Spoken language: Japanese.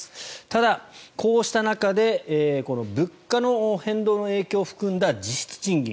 ただ、こうした中で物価の変動の影響を含んだ実質賃金